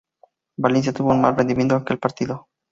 Valencia tuvo un mal rendimiento aquel partido.